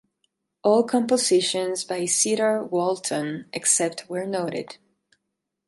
All compositions by Cedar Walton except where noted